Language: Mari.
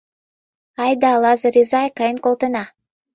— Айда, Лазыр изай, каен колтена.